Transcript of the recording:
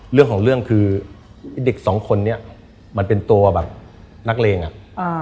เรื่องของเรื่องคือไอ้เด็กสองคนนี้มันเป็นตัวแบบนักเลงอ่ะอ่า